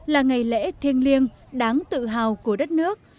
là ngày lễ thiêng liêng đáng tự hào của đất nước